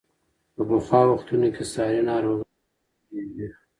په پخوا وختونو کې ساري ناروغۍ په خلکو کې ډېرې وې.